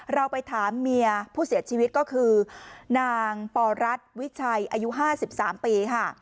เราไปถามเมียผู้เสียชีวิตก็คือนางปอรัฐวิชัยอายุ๕๓ปีค่ะ